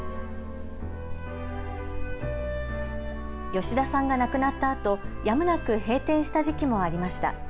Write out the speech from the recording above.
吉田さんが亡くなったあとやむなく閉店した時期もありました。